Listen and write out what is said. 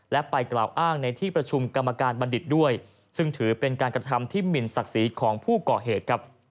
และไปกล่าวอ้างในที่ประชุมกรรมการบัณฑิตด้วยซึ่งถือเป็นการกระทำที่หมินศักดิ์ศรีของผู้ก่อเหตุ